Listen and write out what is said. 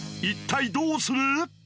一体どうする？